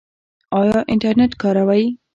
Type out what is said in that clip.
ایا انټرنیټ کاروئ؟